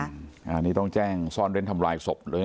อันนี้ต้องแจ้งซ่อนเล่นทำลายศพเลย